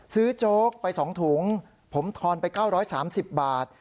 โจ๊กไป๒ถุงผมทอนไป๙๓๐บาท